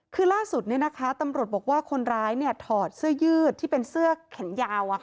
คือล่าสุดตำรวจบอกว่าคนร้ายถอดเสื้อยืดที่เป็นเสื้อแขนยาว